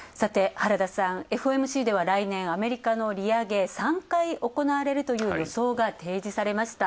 原田さん、ＦＯＭＣではアメリカの利上げ、３回行われるという予想が提示されました。